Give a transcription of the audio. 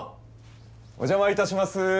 お邪魔致します。